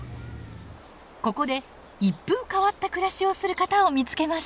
ここで一風変わった暮らしをする方を見つけました。